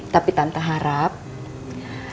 tapi tante harap kita tetap menjaga silaturahim kita ya